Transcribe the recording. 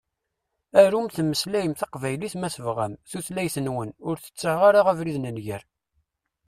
Arum temmeslayem taqbaylit ma tebɣam, tutlayt-nwen, ur tettaɣ ara abrid n nnger.